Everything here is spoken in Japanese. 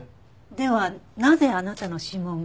ではなぜあなたの指紋が。